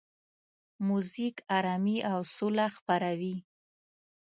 موزیک آرامي او سوله خپروي.